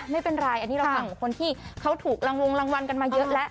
ไม่เป็นไรอันนี้เราฟังคนที่เขาถูกรางวงรางวัลกันมาเยอะแล้ว